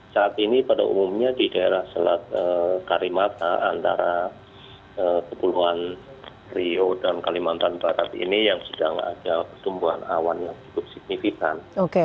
saat ini pada umumnya di daerah selat karimata antara kepulauan rio dan kalimantan barat ini yang sedang ada pertumbuhan awan yang cukup signifikan